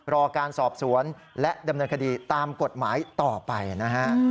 รอการสอบสวนและดำเนินคดีตามกฎหมายต่อไปนะฮะ